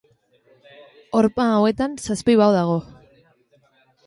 Horma hauetan zazpi bao dago.